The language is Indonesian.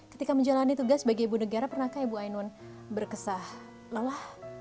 ketika menjalani tugas sebagai ibu negara pernahkah ibu ainun berkesah lelah